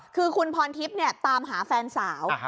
คือคุณพรทิพย์ตามหาแฟนสาว